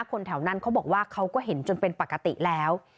คนแถวนั้นเขาบอกว่าเขาก็เห็นจนเป็นปกติแล้ว